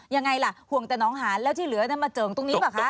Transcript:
ยังไงล่ะห่วงแต่น้องหานแล้วที่เหลือมาเจิ่งตรงนี้ป่ะคะ